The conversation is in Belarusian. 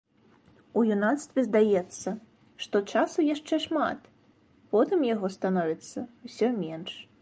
У юнацтве здаецца, што часу яшчэ шмат, потым яго становіцца ўсё менш.